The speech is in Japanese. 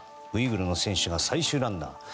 ウイグルの選手が最終ランナー。